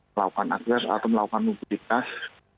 melakukan akses atau melakukan mobilitas